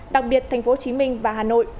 đặc biệt tp hcm và hà nội